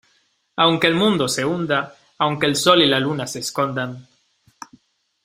aunque el mundo se hunda, aunque el Sol y la Luna se escondan